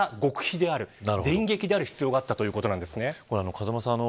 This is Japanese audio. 風間さん